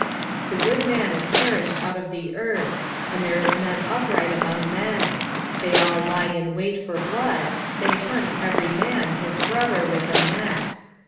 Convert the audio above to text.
7:2 The good man is perished out of the earth: and there is none upright among men: they all lie in wait for blood; they hunt every man his brother with a net.